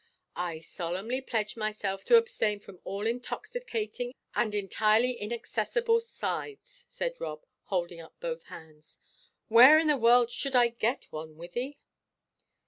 "I solemnly pledge myself to abstain from all intoxicating and entirely inaccessible scythes," said Rob, holding up both hands. "Where in the world should I get one, Wythie?"